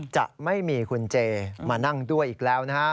จะไม่มีคุณเจมานั่งด้วยอีกแล้วนะฮะ